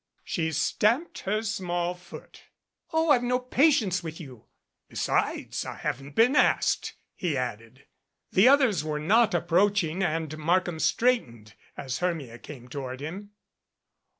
She stamped her small foot. "Oh, I've no patience with you." "Besides, I haven't been asked," he added. The others were now approaching and Markham straightened as Hermia came toward him.